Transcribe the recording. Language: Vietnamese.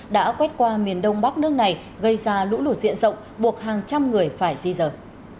đã quét qua miền đông bắc nước này gây ra lũ lụt diện rộng buộc hàng trăm người phải di rời